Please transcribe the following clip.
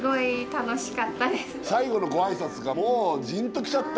最後のご挨拶がもうジーンときちゃった。